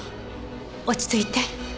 落ち着いて。